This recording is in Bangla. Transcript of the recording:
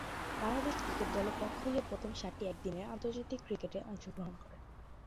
বাংলাদেশ ক্রিকেট দলের পক্ষ হয়ে প্রথম সাতটি একদিনের আন্তর্জাতিক ক্রিকেটে অংশগ্রহণ করেন।